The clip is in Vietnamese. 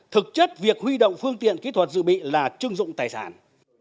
thực chất việc huy động phương tiện kỹ thuật dự bị là chưng dụng tài sản